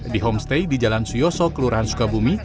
di homestay di jalan suyoso kelurahan sukabumi